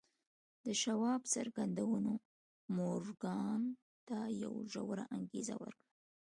د شواب څرګندونو مورګان ته یوه ژوره انګېزه ورکړه